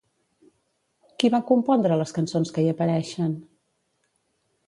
Qui va compondre les cançons que hi apareixen?